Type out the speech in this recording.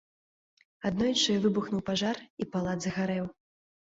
Аднойчы выбухнуў пажар, і палац згарэў.